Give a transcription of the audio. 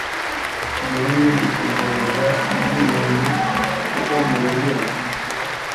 Umuhungu yitegereza undi muntu ugwa mu rubura